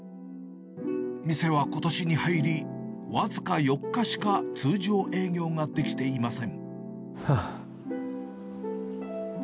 店はことしに入り、僅か４日しか通常営業ができていません。